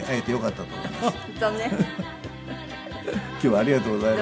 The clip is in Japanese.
今日はありがとうございます。